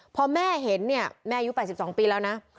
พอแม่เห็นเนี่ยแม่อายุ๘๒ปีแล้วนะ